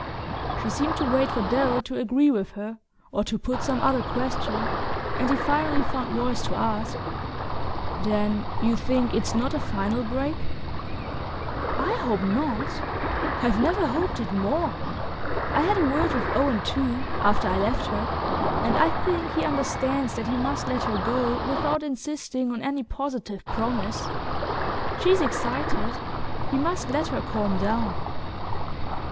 She seemed to wait for Darrow to agree with her, or to put some other question, and he finally found voice to ask: "Then you think it's not a final break?" "I hope not I've never hoped it more! I had a word with Owen, too, after I left her, and I think he understands that he must let her go without insisting on any positive promise. She's excited ... he must let her calm down..."